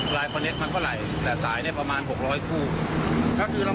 ก็คือเรามาทราบข่าวจากเมื่อคืน